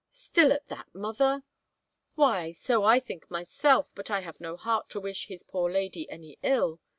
" Still at that, mothier? Why, so I think myself, but I have no heart to wish his poor lady any ill.